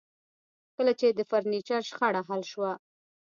کله چې د فرنیچر شخړه حل شوه